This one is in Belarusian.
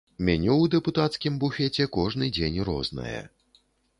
Меню ў дэпутацкім буфеце кожны дзень рознае.